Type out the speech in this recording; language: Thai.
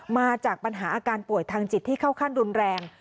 มาจากปัญหาอาการป่วยทางจิตที่เข้าขั้นรุนแรง